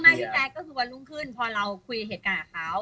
พี่แจ๊คก็คือวันรุ่งขึ้นพอเราคุยเหตุการณ์กับเขา